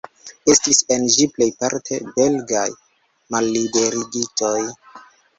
Estis en ĝi plejparte belgaj malliberigitoj.